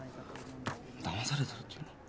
だまされたって言うの？